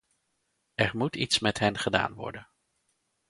Er moet iets met hen gedaan worden.